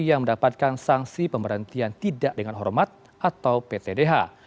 yang mendapatkan sanksi pemberhentian tidak dengan hormat atau ptdh